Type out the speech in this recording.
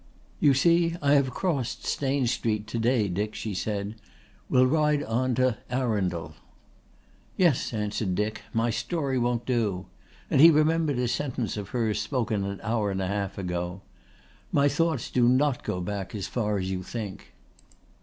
"You see I have crossed Stane Street to day, Dick," she said. "We'll ride on to Arundel." "Yes," answered Dick, "my story won't do," and he remembered a sentence of hers spoken an hour and a half ago: "My thoughts do not go back as far as you think."